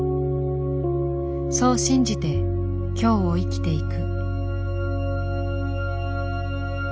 そう信じて今日を生きていく。